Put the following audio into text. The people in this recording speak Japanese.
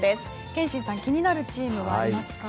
憲伸さん気になるチームはありますか？